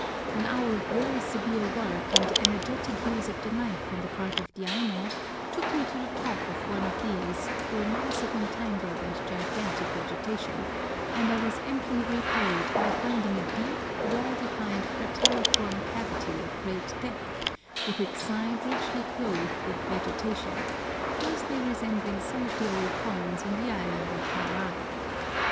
An hour of very severe work, and energetic use of the knife on the part of the Aino, took me to the top of one of these through a mass of entangled and gigantic vegetation, and I was amply repaid by finding a deep, well defined crateriform cavity of great depth, with its sides richly clothed with vegetation, closely resembling some of the old cones in the island of Kauai.